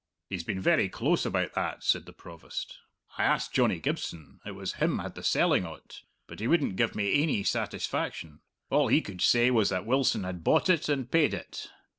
"He's been very close about that," said the Provost. "I asked Johnny Gibson it was him had the selling o't but he couldn't give me ainy satisfaction. All he could say was that Wilson had bought it and paid it.